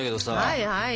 はいはい。